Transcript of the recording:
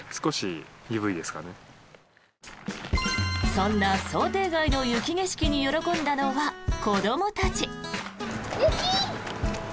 そんな想定外の雪景色に喜んだのは子どもたち。